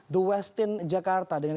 the westin jakarta dengan